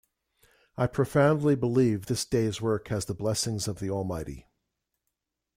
I profoundly believe this day's work has the blessings of the Almighty.